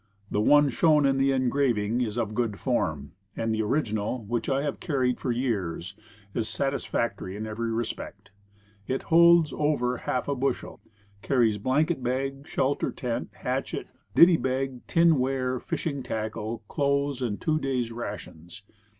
The one shown in the engraving is of good form; and the original which I have carried for years is satisfactory in every respect. It holds over half a bushel, carries blanket bag, shelter tent, hatchet, ditty bag, tinware, fishing tackle, clothes and two days' rations.